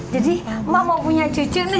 jadi mak mau punya cucu nih